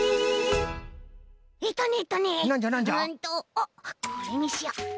おっこれにしよう。